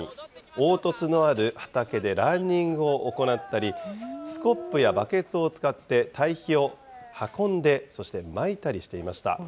凹凸のある畑でランニングを行ったり、スコップやバケツを使って堆肥を運んで、そしてまいたりしていました。